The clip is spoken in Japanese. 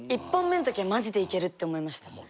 １本目のときはマジでいけるって思いました。